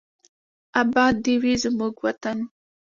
اباد دې وي زموږ وطن.